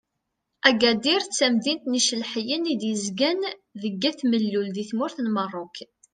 Agadir d tamdint n yicelḥiyen i d-yezgan deg At Mellul di tmurt n Merruk.